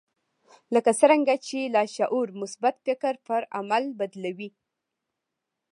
لکه څرنګه چې لاشعور مثبت فکر پر عمل بدلوي